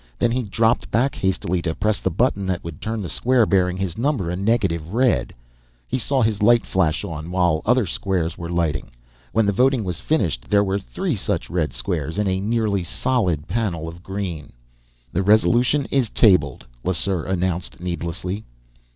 Then he dropped back hastily to press the button that would turn the square bearing his number a negative red. He saw his light flash on, while other squares were lighting. When the voting was finished, there were three such red squares in a nearly solid panel of green. "The resolution is tabled," Lesseur announced needlessly.